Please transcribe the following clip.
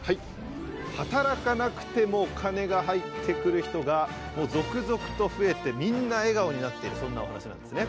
働かなくてもお金が入ってくる人がもう続々と増えてみんな笑顔になっているそんなお話なんですね。